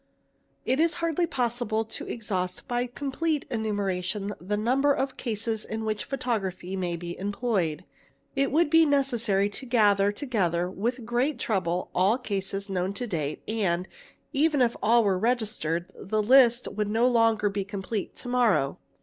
It is hardly possible to exhaust by complete enumeration the number 'of cases in which photography may be employed; it would be necessary to gather together with great trouble all cases known to date and, even if all were registered, the list would no longer be complete to morrow.